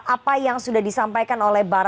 apa yang sudah disampaikan